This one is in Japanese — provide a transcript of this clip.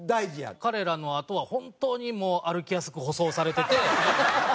彼らのあとは本当にもう歩きやすく舗装されてて。